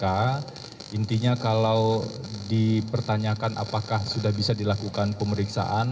intinya kalau dipertanyakan apakah sudah bisa dilakukan pemeriksaan